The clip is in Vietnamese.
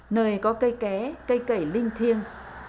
nơi có cây ké cây cẩy linh thiêng